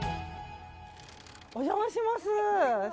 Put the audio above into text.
お邪魔します。